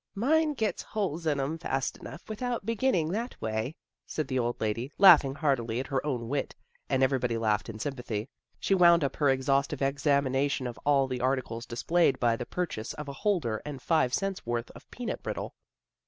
" Mine gets holes in 'em fast enough without beginnin' that way," said the old lady, laughing heartily at her own wit, and everybody laughed in sympathy. She wound up her exhaustive THE BAZAR 107 examination of all the articles displayed by the purchase of a holder and five cents' worth of peanut brittle.